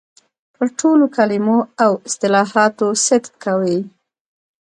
پر ټولو کلمو او اصطلاحاتو صدق کوي.